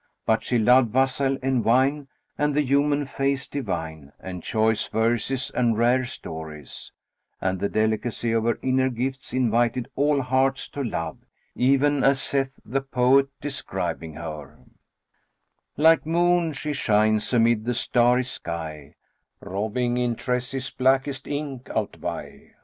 But she loved wassail and wine and the human face divine and choice verses and rare stories; and the delicacy of her inner gifts invited all hearts to love, even as saith the poet, describing her, "Like moon she shines amid the starry sky, * Robing in tresses blackest ink outvie.